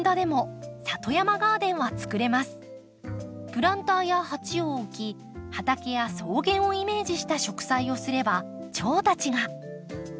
プランターや鉢を置き畑や草原をイメージした植栽をすればチョウたちが。